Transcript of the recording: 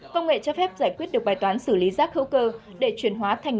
công nghệ cho phép giải quyết được bài toán xử lý rác hữu cơ để chuyển hóa thành